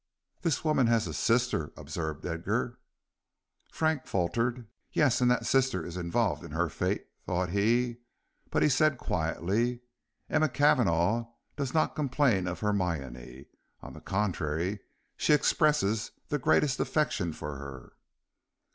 "This woman has a sister," observed Edgar. Frank faltered. "Yes, and that sister is involved in her fate," thought he, but he said, quietly: "Emma Cavanagh does not complain of Hermione; on the contrary, she expresses the greatest affection for her."